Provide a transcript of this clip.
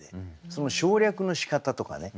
その省略のしかたとかね